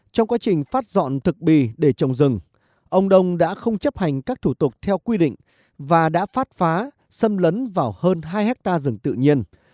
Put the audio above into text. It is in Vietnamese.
trong quá trình phát dọn thực bì để trồng rừng ông đông đã không chấp hành các thủ tục theo quy định và đã phát phá xâm lấn vào hơn hai hectare rừng tự nhiên